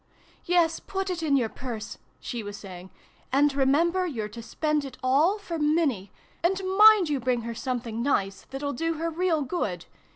" Yes, put it in your purse," she was saying, " and remember you're to spend it all for Minnie. And mind you bring her something nice, that'll do her real good